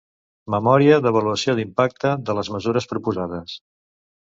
Memòria d'avaluació d'impacte de les mesures proposades.